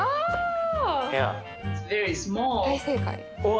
大正解。